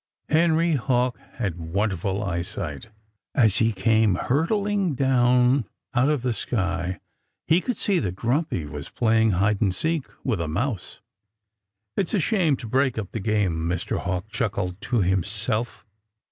Henry Hawk had wonderful eyesight. As he came hurtling down out of the sky he could see that Grumpy was playing hide and seek with a mouse. "It's a shame to break up the game," Mr. Hawk chuckled to himself.